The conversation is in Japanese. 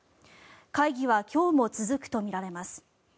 会議は今日も続くとみられます。